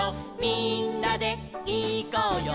みんなでいこうよ」